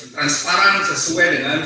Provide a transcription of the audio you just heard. transparan sesuai dengan